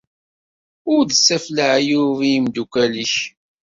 Ur d-ttaf leɛyub i yimeddukal-nnek.